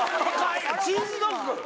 チーズドッグ？